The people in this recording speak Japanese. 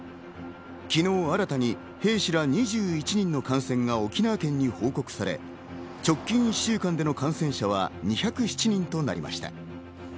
昨日、新たに兵士ら２１人の感染が沖縄県に報告され、直近１週間での感染者は２０７人となりました。